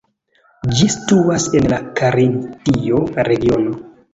Ĝi situas en la Karintio regiono.